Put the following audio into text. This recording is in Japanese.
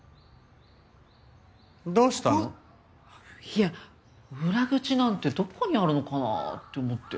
いや裏口なんてどこにあるのかなって思って。